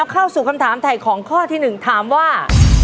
เข้าสู่คำถามถ่ายของข้อที่๑ถามว่า